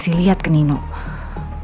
apa yang lu buat